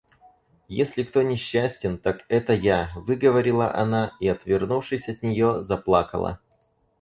Если кто несчастен, так это я, — выговорила она и, отвернувшись от нее, заплакала.